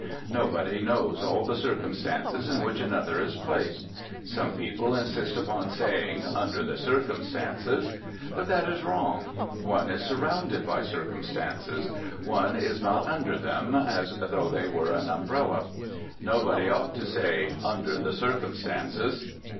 Nobody knows all the circumstances in which another is placed. Some people insist upon saying "under the circumstances." But that is wrong. One is surrounded by circumstances; one is not under them, as though they were an umbrella. Nobody ought to say "under the circumstances."